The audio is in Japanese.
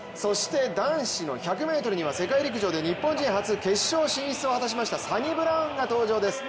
男子の１００ｍには世界陸上で日本人初決勝進出を果たしましたサニブラウンが登場です。